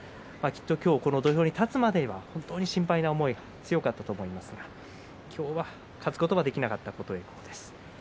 きっと今日この土俵に立つまでは本当に心配な思いが強かったと思いますが今日は勝つことができなかった琴恵光ことです。